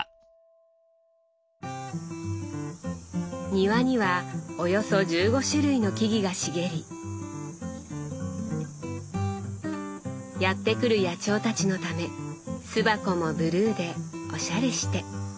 庭にはおよそ１５種類の木々が茂りやって来る野鳥たちのため巣箱もブルーでおしゃれして。